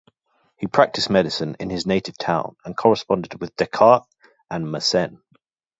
He practised medicine in his native town and corresponded with Descartes and Mersenne.